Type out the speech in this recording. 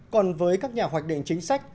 còn với các nhà hoạch định chính sách